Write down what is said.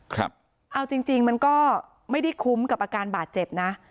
เอาจริงจริงมันก็ไม่ได้คุ้มกับอาการบาดเจ็บนะ